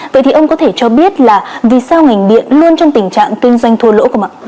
vậy thì ông có thể cho biết là vì sao ngành điện luôn trong tình trạng kinh doanh thua lỗ không ạ